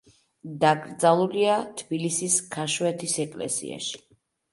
დაკრძალულია თბილისის ქაშვეთის ეკლესიაში.